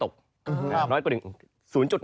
ทั้งเรื่องของฝน